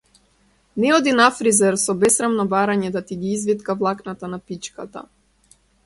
Не оди на фризер со бесрамно барање да ти ги извитка влакната на пичката.